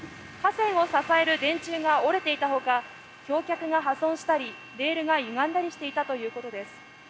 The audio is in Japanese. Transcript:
架線を支える電柱が折れていた他橋脚が破損したりレールがゆがんだりしていたということです。